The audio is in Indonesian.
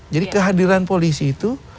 jadi kehadiran polisi itu